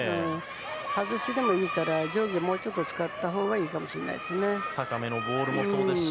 外してでもいいから上下をもうちょっと使ったほうがいいかもしれないですね。